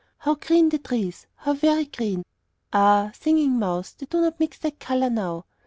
How green the trees how very green! Ah, Singing Mouse, they do not mix that color now.